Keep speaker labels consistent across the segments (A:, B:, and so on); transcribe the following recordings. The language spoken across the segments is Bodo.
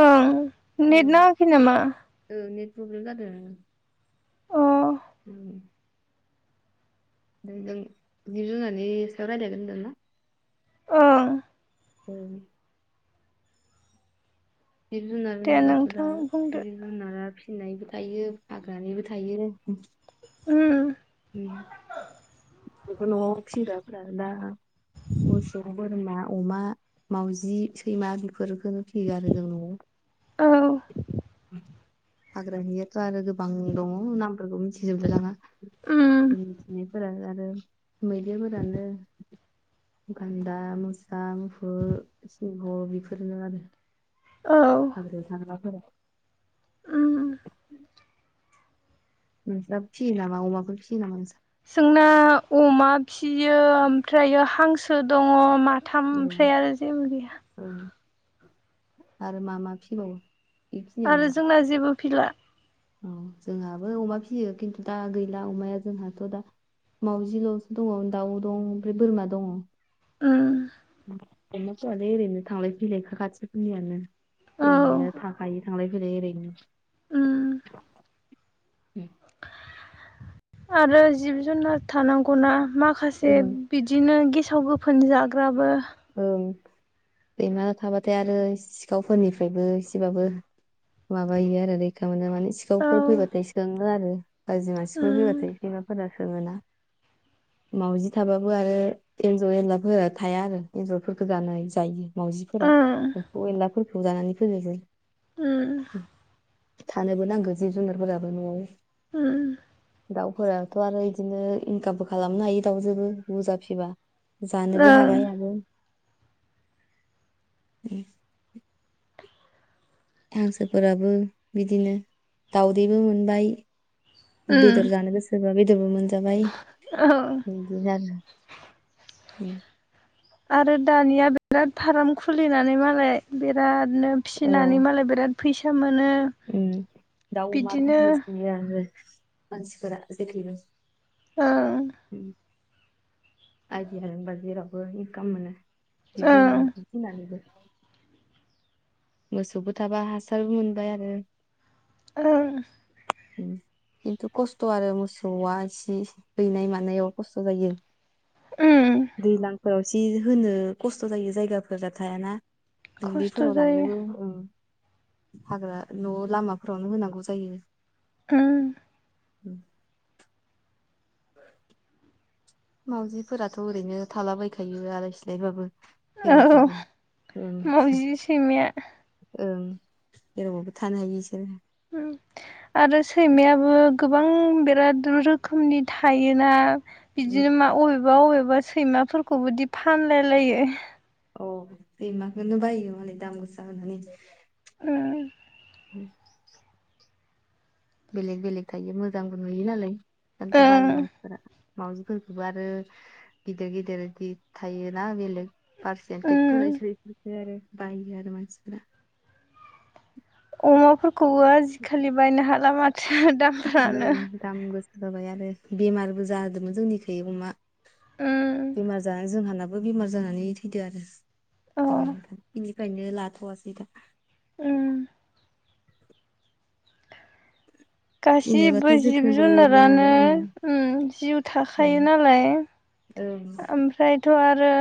A: ओं
B: औ
A: नेट नाङाखै नामा
B: औ नेट प्रब्लेम जादों
A: अ
B: उ जों जिब-जुनादनि सायाव रायलायगोन होनदोंना
A: ओं
B: औ जिब जुनार
A: दे
B: होनोब्लाथ' दा
A: नोंथां बुंदो
B: जिब जुनारा फिनायबो थायो फागानैबो थायो
A: ओ।
B: बेबो न'आव फिग्राफोरानो दा मोसौ बोरमा अमा मावजि सैमा बेफोरफोरखोनो फियो आरो जों
A: औ
B: न'आव [inaudible] हाग्रा नियाथ' आरो गोबां दङ नामफोरखौ मिथिजोबलाय लाङा
A: उम
B: जों मिथिनायफोरा आरो मैदेरफोरानो गान्दा मोसा मुफुर सिंह बेफोरनो आरो
A: औ
B: हाग्रायाव थाग्रा फोरा
A: उम
B: [inaudible] नोंस्राबो फियो नामा अमाखौ फियो नामा
A: जोंना अमा फियो ओमफ्रायो हांसो दङ माथ थाम
B: औ
A: ओमफ्राय आरो जेबो गैया
B: औ आरो मा मा फिबावो बेखिनियानो
A: आरो
B: ना?
A: जोंना जेबो फिला
B: औ जोंहाबो अमा फियो खिन्थु दा गैला अमाया जोंहाथ' दा माउजिल'सो दङ दाउ दं ओमफ्राय बोरमा दङ
A: उम
B: अमाफोरालाय ओरैनो थांलाय फैलाय खा खाथिफोरनियानो
A: औ
B: दैमाया थाखायो थांलाय फैलाय ओरैनो
A: ओम आरो जिब जुनार थानांगौना माखासे
B: ओं
A: बिदिनो गेस गेसाव गोफोन जाग्राबो
B: ओं सैमा थाबाथाय आरो सिखावफोरनिफ्रायबो एसेबाबो माबायो आरो रैखा मोनो माने
A: औ
B: सिखावफोर फैबाथाय सोङो आरो गाज्रि मानसिफोर
A: उम
B: फैबाथाय सैमाफोरा जोंङो ना मावजि थाबाबो आरो एन्जर एनलाफोरा थाया आरो एन्जरफोरखौ जानाय जायो मावजिफोरा
A: ओं
B: एमफौ एनलाफोरखौ जानानै फोजोबो।
A: उम
B: थानोबो नांगौ जिब जुनारफोराबो न'आव
A: ओम
B: दाउफोरथ' आरो बिदिनो इनकामबो खालामनो हायो दाउजोबो बुरजा फिबा जानोबो
A: ओं
B: हाबाय आरो उम हांसोफोराबो बिदिनो दउदैबो मोनबाय
A: उम
B: बेदर जानो गोसोबा बेदरबो मोन- जाबाय
A: औ
B: बिदि आरो उम
A: आरो दानिया बिराद फाराम खुलिनानै मालाय बिराद- बिनो
B: औ
A: फिसिनानै मालाय बिराद फैसा मोनो
B: उम दाउ अमानो
A: बिदिनो
B: नुयो आङो मानसिफोरा जेखैबो
A: ओं
B: आइदिया रोंबा जेरावबो इंनकाम मोनो जिब
A: ओं
B: जुनार फिसिनानैबो मोसौबो थाबा हासारबो मोनबाय आरो
A: ओं
B: उम किन्थु खस्थ' आरो मोसौआ इसे हैनाय मानायाव खस्थ' जायो
A: उम
B: फोराव जि होनो खस्थ' जायो जायगाफोरा थायाना
A: खस्थ'
B: दुब्लिफोराव
A: जायो
B: लांनोबो ओम हाग्रा न' लामाफोरावनो होनांगौ जायो
A: ओं
B: उम मावजिफोराथ' ओरैनो थालाबायखायो आलाय सिलायबाबो
A: औ
B: जेरावबाबो ओं
A: मावजि सैमाया।
B: ओं जेरावबाबबो थानो हायो बिसोरो
A: उम आरो सैमायाबो गोबां बिराद रोखोमनि थायोना
B: उम
A: बिदिनो मा अबेबा-अबेबा सैमाफोरखौबोदि फानलायलायो।
B: औ बेमाखौनो बायो मालाइ दाम गोसा होनानै
A: उम
B: उ [inaudible] बेलेग बेलेग थायो मोजांबो नुयो नालाय ओन्थ' बायो
A: ओं
B: मानसिफोरा मावाउजिफोरखौबो आरो गिदिर-गिदिर गिद थायोना बेलेग।
A: उम
B: पारसेन्टेजफोरसै बिफोरसो आरो बायो आरो मानसिफोरा
A: अमाफोरखौबो आजिखालि बायनो हाला माथो दामफ्रानो।
B: ओं दाम गोसा जाबाय आरो बेमारबो जादोमोन जोंनिखै अमा
A: उम
B: बेमार जानानै जोंहाना- दो बेमार जानानै थैदो आरो
A: अ
B: बेनिफ्रायनो लाथ'वासै दा
A: उम। गासिबो
B: फिनोबाथाय
A: जिब
B: जोथोनबो लोङाबो
A: जुनारानो
B: ओं
A: उम जिउ थाखायो नालाय।
B: औ
A: थ' आरो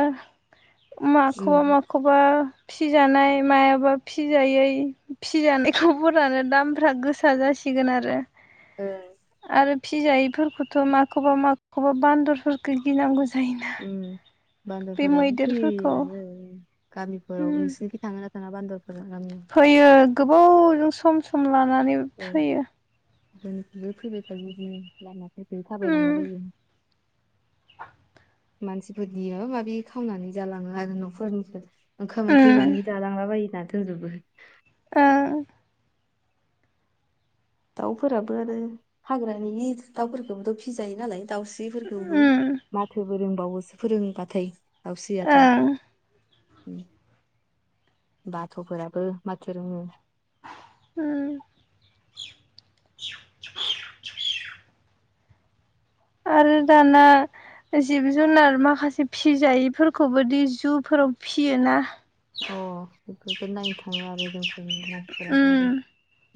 A: माखौबा
B: ओं
A: माखौबा फिजानाय मायाबा फिजायै फिजानायखौ बरानो दामफ्रा गोसा जासिगोन थिगोन आरो
B: ओं।
A: आरो फिजायैफोरखौथ' माखौबा माखौबा बान्दरफोरखौ गिनांगौ जायोना
B: उम
A: बे
B: बान्द'रफोराबो
A: मैदेरफोरखौ
B: फैयै आनो
A: उम
B: गामिफोराव नोंसोर निखि थाङो ना थाङा बान्द'रफोर?
A: फैयो गोबावजों सम सम लानानै फैयो
B: बनिफ्रायबो फैबाय थायोबियो लामाफोरखौ
A: ओं
B: थाबायलांलाबायो मानसिफोरनि माबा माबि खावनानै जालाङो आरो न'फोरनिखौ ओंखाम-ओंख्रि
A: ओं
B: मानि जालांला बायो दाथोमजोबो।
A: ओ
B: दाउफोराबो आरो हाग्रानि हि दाउफोरखौबोथ' फिसिजायो नालाय। दाउस्रिफोरखौबो माथोबो रोंबावोसो फोरोंबाथाय
A: ओं
B: दाउस्रियाथ'। बाथ'फोराबो माथो रोङो
A: उम आरो दाना- जिब जुनार माखासे फिजायैफोरखौबो दै जुफोराव फिसियोना
B: अ बेफोरफोरखौ नायनो थाङो आरो जोंफोर मानसिफोराबो आरो
A: ओम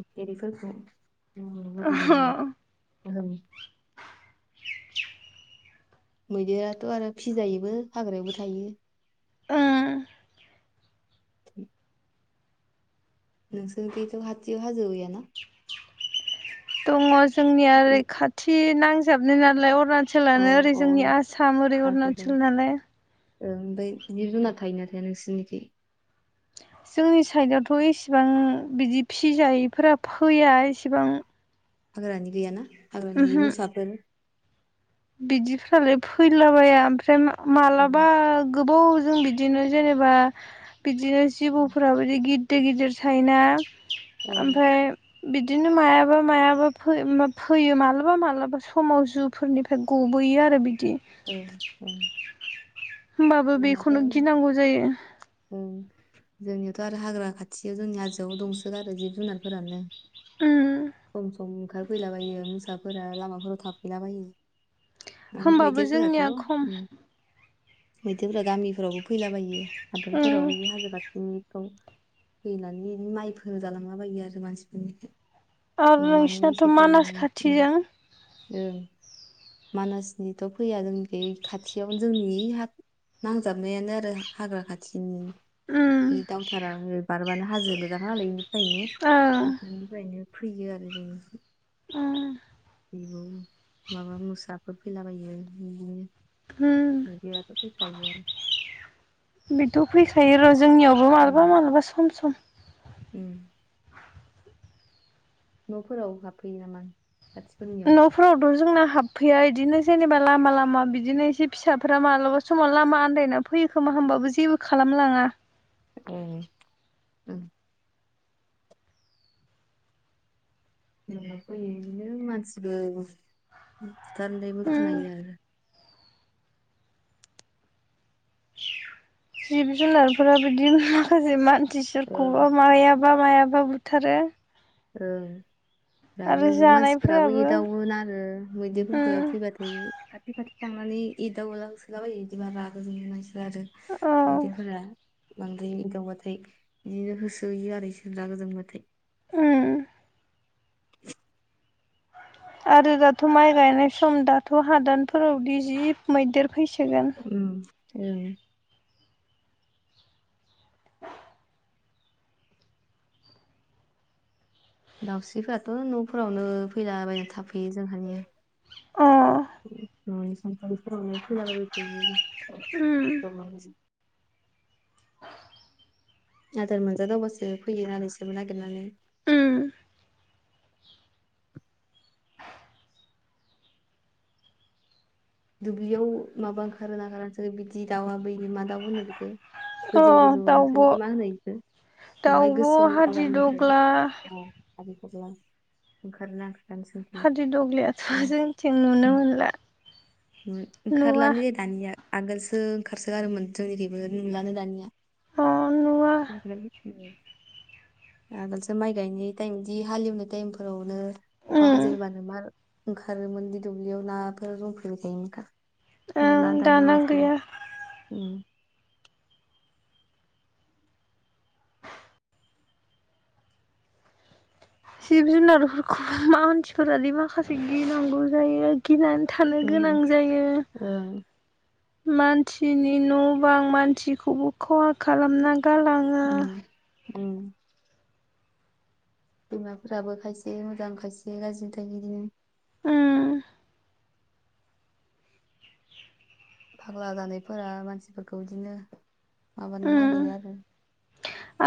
B: फेरिफोरखौ लु-लुबैयो नालाय।
A: ओम
B: मोजां। मैदेराथ' आरो फिजायोबो हाग्रायावबो थायो
A: ओं
B: [inaudible] नोंसोर गैयैथ' हथियाव हाजो
A: दङ जोंनिया ओरै
B: अ
A: खाथि नांजाबनाय नालाय अर- अरुणचलानो ओरै
B: अ
A: जोंनि आसाम ओरै
B: हाजो
A: अरुणाचल
B: जायो
A: नालाय
B: ओमफ्राय जिब जुन थायो ना थाया नोंसोरनिख
A: जोंनि साइदआवथ' इसेबां बिदि फिसिजायैफोरा फैया इसेबां-
B: हाग्रानि गैया ना हाग्रानि गैया मोसाफोर
A: बिदिफ्रालाय फैलाबाया ओमफ्राय
B: औ
A: मा-मालाबा- गोबाव जों बिदिनो जेनेबा बिदिनो
B: औ
A: जिबौफोराब बिदि गिद गिदिर-गिदिर सायोना
B: ओ
A: ओमफ्राय- बिदिनो मायाबा-मायाबा फैयो माब फैयो मालाबा-मालाबा समाव जुफोरनिफा- ओमफाय गबोयो आरो बिदि।
B: ओं
A: होमबाबो
B: जोंनियाथ'
A: बेखौनो गिनांगौ जायो।
B: ओं जोंनियावथ' आरो हाग्रा खाथियाव जोंनि हाजोआव दंसो आरो जिब जुनारफोरानो
A: उम
B: सम-सम ओंखारफैलाबायो मो- फिसाफोरा लामाफोराव थाफैलाबायो आरो
A: होमबाबो
B: मैदेरफोराथ'
A: जोंनिया खम
B: मैदेरफोरा गामिफोरावबो फैलाबायो
A: उम
B: हादानफोराव बैनि हाजो खाथिनि- औ फैनानै बिनो माइफोरजालांला बायो आरो मानसिफोरनि
A: आरो
B: न'मानि
A: नोंसिनाथ' मानास खाथिजों
B: ओ मानासनिथ' फैया जोंनि खाथियावनो जोंनि ह नांजाबनायानो आरो हाग्रा खाथिनि
A: उम
B: बे दावथारा बारबोना- हाजो गोजाखा नालाय इनिफ्रायनो
A: ओं
B: बिफोरनिफ्रायनो फैयो आरो जोंनि-
A: उ
B: बिब माबा मोसाफोर फैलाबायो बिदिनो
A: उम
B: मैदेराथ' फैखायो आरो।
A: थायो र' जोंनियावबो मालाबा-मालाबा सम-सम।
B: उम। न'फोराव हाबफैयो नामा? खाथिफोरनियाव
A: न'फोरावथ' जोंना हाबफैया इदि- जेनेबा लामा लामा बिदिनो एसे फिसाफ्रा मालाबा समाव लामा आन्दायना फैयो खोमा हबाबो जेबो खालाम थामलाङा।
B: औ नङानो मानसिद फुथान्दैबो
A: उम
B: खोनायो आरो।
A: जिब-जुनारफोरा बिदिनो माखासे मानसि सोरखौबा
B: ओं
A: मायाब- माबा मायाबा बुथारो
B: ओं
A: आरो
B: दागो मानसिफोराबो
A: जानायफोराबो
B: एदावोन आरो
A: उम
B: मैदेरफोरफोरखौ फैबाथाय खाथि खाथि थांनानै एदावला होसोलाबायो इदिबा रागा जोङोना इसोरो आरो
A: औ
B: मैदेरफोरा। बांद्राय एदावबाथाय बिदिनो होसोयो आरो रागा गोजांबाथाय
A: उम
B: [inaudible]
A: आरो दाथ' माइ गायनाय सम दाथ' हादानफोरावदि जि मैदेर फैसोगोन।
B: उम ओं। दाउस्रिफोराथ' न'फोरावनो फैलाबायना थाफैयो जोंहानिया।
A: अ
B: न सानथलि। दंनाय फुलालायबायदि द।
A: उम
B: आदार मोनजादावबासो फैयो होननानैसोबो नागिरनानै
A: उम।
B: दुब्लियाव माबा ओखारोना ओखारा बिदि दाउआ बै मा दाउ होनो बेखौ गोजौ गोजौ नोंसिनिखै माहोनो इखो
A: दाउबो हादिदग्ला।
B: आरो बेखौल ओंखारनो।
A: हादिर दग्लियाथ' जोंथिं नुनो मोनला नुवा
B: ओंखारलानो जै दानिया आगोलसो ओंखारसोगारोमोन जोंनिफ्रायबो नुलानो दानिया।
A: अ नुवा
B: [inaudible] आगोलसो माइ गायनाय टाइम बिदि हालेवनाय टाइमफोरावनो अखा
A: उम
B: हाजिरबानो मा ओंखारोमोन दि दुब्लियाव नाफोर जंफैबाय थायोमोनखा। नुला
A: ओं
B: दानिया
A: दाना
B: मसिबो
A: गैया
B: उम
A: जिब जुनारफोरखौ मानसिफोरादि माखासे गिनांगौ जायो गिनानै। थानो गोनां
B: ओं
A: जायो
B: ओं
A: मानसिनि न' बां मानसिखौबो खहा खालामना गालाङो
B: उम उम बिमाफोराबो खायसे मोजां खायसे गाज्रिनि थायो बिदिनो।
A: उम
B: फाग्ला जानायफोरा मानसिफोरखौ बिदिनो माबानो
A: उम
B: नागिरो आरो।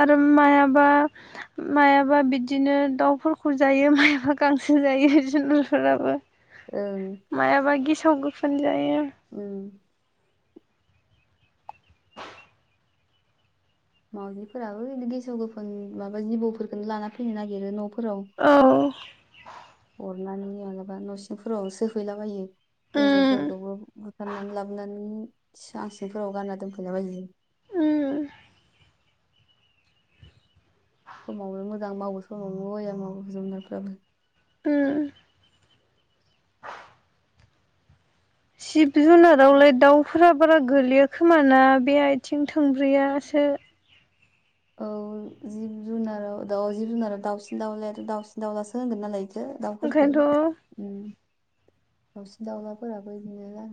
A: आरो मायाबा मायाबा बिदिनो दाउफोरखौ जायो मायाबा गांसो जायो जुनारफोराबो।
B: ओं
A: मायाबा गेसाव गोफोन जायो?
B: ओं
A: [inaudible]
B: मावजिफोराबो गेसौ गोफोन माबा जिबौफोरखौनो लाना फैनो नागिरो न'।
A: औ‌।
B: हरनानै माबलाबा न' सिंफोराव सोहैलाबायो।
A: उम
B: एन्जरफोरखौबो बुथारनानै लाबोनानै सां सिंफोराव गानना दोनफैला बायो।
A: उम
B: समावनो मोजां मावो समावनो बया मावो जुनारफ्राबो।
A: उ। जिब जुनारावलाय दाउफोरा बारा गोलैया खोमाना बे आथिं थोंब्रैया। से।
B: औ जिब जुनाराव द जिब जुनाराव दाउसिन दाउलाथ' दाउसिन दाउलासो होनोगोन नालाय। दाउफोरफोरखौ
A: ओंखायनोथ'
B: दाउसिन दाउलाफोराबो बिदिनो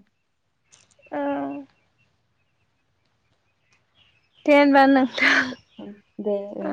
A: औ। दे होनबा नों-
B: दे उम।